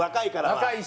若いし。